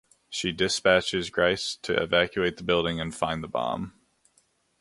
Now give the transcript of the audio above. She dispatches Grice to evacuate the building and find the bomb.